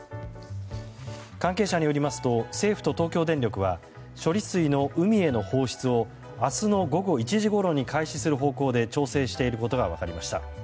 関係者によりますと政府と東京電力は処理水の海への放出を明日の午後１時ごろに開始する方向で調整していることが分かりました。